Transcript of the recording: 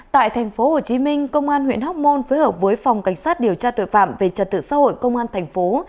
tại thành phố hồ chí minh công an huyện hóc môn phối hợp với phòng cảnh sát điều tra tội phạm về trật tự xã hội công an thành phố